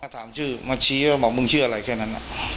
ถามชื่อมาชี้ว่ามองมึงชื่ออะไรแค่นั้นน่ะ